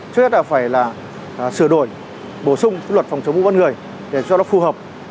trước hết là phải là sửa đổi bổ sung luật phòng chống mua bán người để cho nó phù hợp